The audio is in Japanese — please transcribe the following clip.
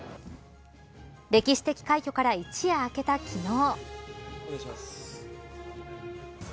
歴史的快挙から一夜明けた昨日。